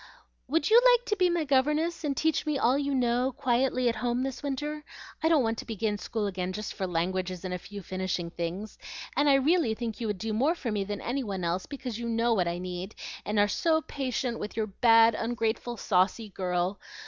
"Would you like to be my governess and teach me all you know, quietly, at home this winter? I don't want to begin school again just for languages and a few finishing things, and I really think you would do more for me than any one else, because you know what I need, and are so patient with your bad, ungrateful, saucy girl.